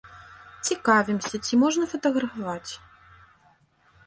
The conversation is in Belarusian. Цікавімся, ці можна фатаграфаваць?